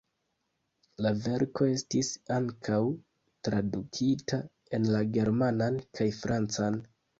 La verko estis ankaŭ tradukita en la germanan kaj francan.